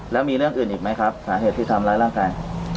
แล้วมีเรื่องอื่นอีกไหมครับสาเหตุที่ทำร้ายร่างกาย